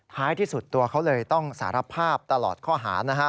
ท้ายที่สุดตัวเขาเลยต้องสารภาพตลอดข้อหานะฮะ